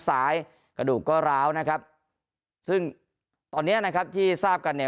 ซ้ายกระดูกก็ร้าวนะครับซึ่งตอนเนี้ยนะครับที่ทราบกันเนี่ย